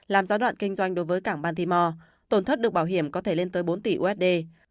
làm giá đoạn kinh doanh đối với cảng bantimo tổn thất được bảo hiểm có thể lên tới bốn tỷ usd